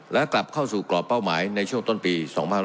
และกลับเข้าสู่กรอบเป้าหมายในช่วงต้นปี๒๕๖๒